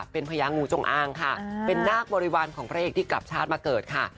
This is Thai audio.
เป็นพญางูจงอางค่ะเป็นนาคบริวารของพระเอกที่กลับชาติมาเกิดค่ะ